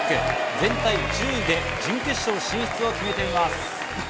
全体１０位で準決勝進出を決めています。